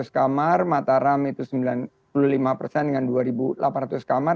lima ratus kamar mataram itu sembilan puluh lima persen dengan dua delapan ratus kamar